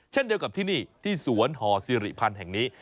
เช่นเดียวกับที่นี่ที่สวนห่อสิริพันธ์แห่งนี้